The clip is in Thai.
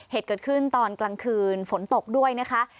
เหตุเกิดขึ้นตอนกลางคืนฝนตกด้วยนะคะ